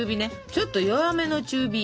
ちょっと弱めの中火。